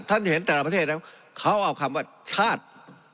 ท่านเห็นแต่ละประเทศนะเขาเอาคำว่าชาติ